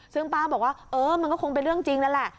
ซึ่งป้าบอกว่าเออมันก็คงเป็นเรื่องจริงนั่นแหละ